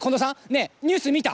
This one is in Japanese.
ねえニュース見た？